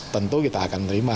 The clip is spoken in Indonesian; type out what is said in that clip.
tentu kita akan menerima